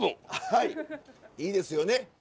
はいいいですよね。